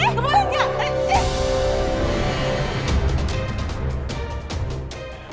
eh kembali tiara